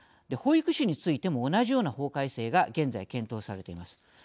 保育士についても同じような法改正が現在、検討されています。